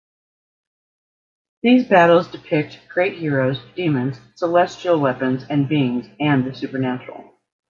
These battles depict great heroes, demons, celestial weapons and beings, and the supernatural.